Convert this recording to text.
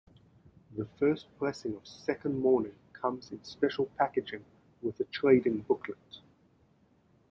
The first pressing of Second Morning comes in special packaging with a trading booklet.